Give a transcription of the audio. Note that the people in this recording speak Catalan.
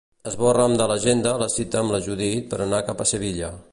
Esborra'm de l'agenda la cita amb la Judit per anar cap a Sevilla.